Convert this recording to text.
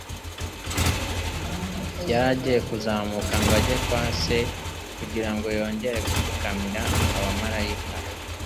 Yari agiye kuzamuka ngo ajye kwa Se kugira ngo yongere gupfukamirwa n'abamaraika,